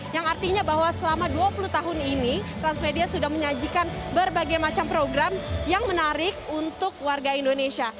yang artinya bahwa selama dua puluh tahun ini transmedia sudah menyajikan berbagai macam program yang menarik untuk warga indonesia